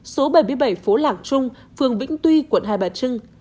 số bảy mươi bảy phố lạc trung phường vĩnh tuy quận hai bà trưng